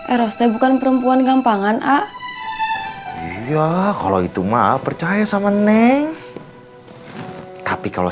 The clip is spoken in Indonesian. erosnya bukan perempuan gampangan ah iya kalau itu mah percaya sama neng tapi kalau